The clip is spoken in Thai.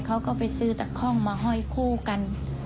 เขาก็ไปซื้อตะคล่องมาห้อยคู่กัน